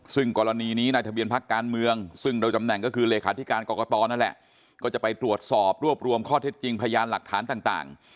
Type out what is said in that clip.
ซึ่งกรณีนี้ในทะเบียนพักการเมืองซึ่งโดยตำแหน่งก็คือเลขาธิการกรกตนั่นแหละก็จะไปตรวจสอบรวบรวมข้อเท็จจริงพยานหลักฐานต่าง